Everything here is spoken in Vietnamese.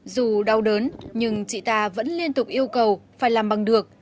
dù đau đớn nhưng chị ta vẫn liên tục yêu cầu phải làm bằng được